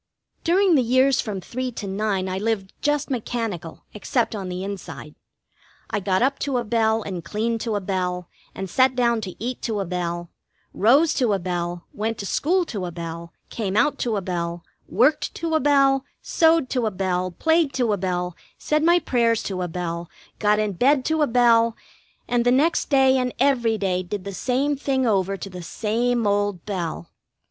During the years from three to nine I lived just mechanical, except on the inside. I got up to a bell and cleaned to a bell, and sat down to eat to a bell; rose to a bell, went to school to a bell, came out to a bell, worked to a bell, sewed to a bell, played to a bell, said my prayers to a bell, got in bed to a bell, and the next day and every day did the same thing over to the same old bell.